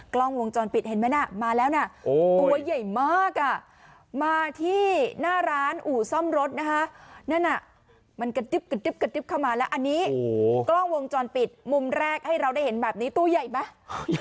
กล้องวงจรปิดเห็นไหมน่ะมาแล้วนะตัวใหญ่มากอ่ะมาที่หน้าร้านอู่ซ่อมรถนะคะนั่นน่ะมันกระติ๊บกระติ๊บกระติ๊บเข้ามาแล้วอันนี้กล้องวงจรปิดมุมแรกให้เราได้เห็นแบบนี้ตู้ใหญ่ไหม